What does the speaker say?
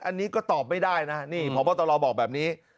อันนี้ก็ตอบไม่ได้นะฮะนี่ผอบพระตลอบบอกแบบนี้